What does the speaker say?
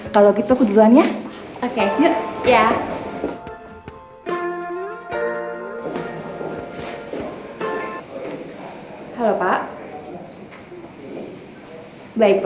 kok ini seperti